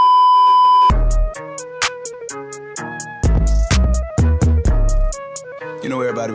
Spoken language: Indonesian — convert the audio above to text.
jangan lupa like share dan subscribe ya